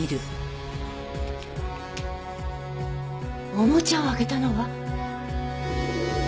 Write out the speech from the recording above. おもちゃを開けたのは。